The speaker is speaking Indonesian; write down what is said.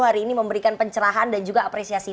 hari ini memberikan pencerahan dan juga apresiasi